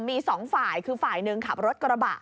มีสองฝ่ายคือฝ่ายหนึ่งขับรถกระบะ